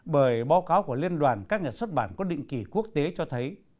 bởi báo cáo của liên đoàn các nhà xuất bản có định kỳ quốc tế cho thấy